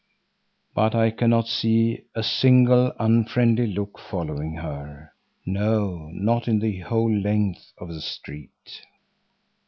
But I cannot see a single unfriendly look following her; no, not in the whole length of the street.